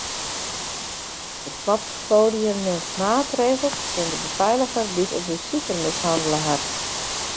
It poppoadium nimt maatregels tsjin de befeiliger dy't in besiker mishannele hat.